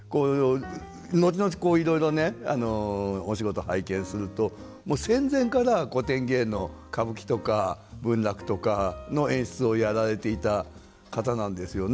後々こういろいろねお仕事拝見するともう戦前から古典芸能歌舞伎とか文楽とかの演出をやられていた方なんですよね。